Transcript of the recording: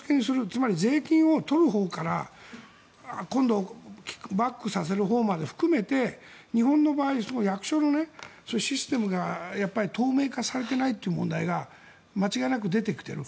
つまり、税金を取るほうから今度、キックバックさせるほうまで含めて日本の場合役所のシステムが透明化されていないという問題が間違いなく出てきている。